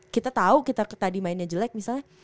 kita tahu kita tadi mainnya jelek misalnya